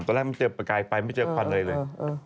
แรกมันเจอประกายไปไม่เจอควันอะไรเลย